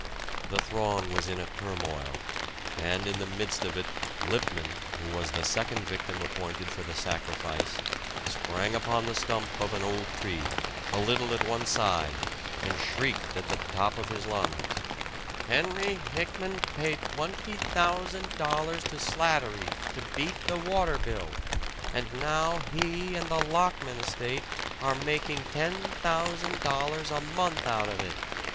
The throng was in a turmoil; and in the midst of it, Lippman, who was the second victim appointed for the sacrifice, sprang upon the stump of an old tree, a little at one side, and shrieked at the top of his lungs: "Henry Hickman paid twenty thousand dollars to Slattery to beat the water bill; and now he and the Lockman estate are making ten thousand dollars a month out of it!